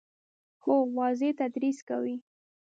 هو، واضح تدریس کوي